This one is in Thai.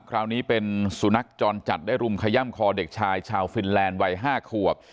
คราวนี้เป็นสุนัขจรจัดได้รุมขย่ำคอเด็กชายชาวฟินแลนด์วัย๕ขวบ